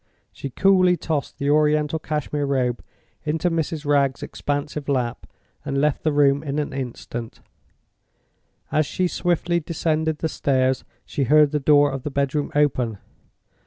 She coolly tossed the Oriental Cashmere Robe into Mrs. Wragge's expansive lap and left the room in an instant. As she swiftly descended the stairs, she heard the door of the bedroom open.